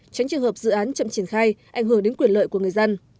tránh trường hợp dự án chậm triển khai ảnh hưởng đến quyền lợi của người dân